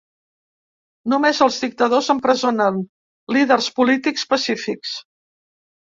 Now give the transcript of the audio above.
Només els dictadors empresonen líders polítics pacífics.